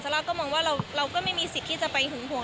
เราก็มองว่าเราก็ไม่มีสิทธิ์ที่จะไปหึงห่วง